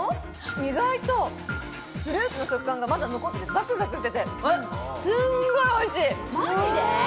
意外とフルーツの食感が残っていて、ザクザクしていて、すんごいおいしい。